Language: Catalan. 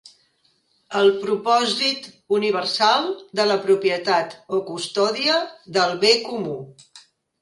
El propòsit universal de la propietat o custòdia del bé comú.